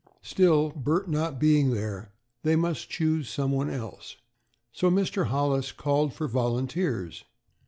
Still, Bert not being there, they must choose someone else, so Mr. Hollis called for volunteers.